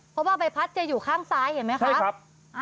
เพราะว่าใบพัดจะอยู่ข้างซ้ายเห็นไหมครับ